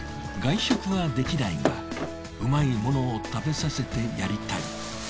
外食はできないがうまいものを食べさせてやりたい。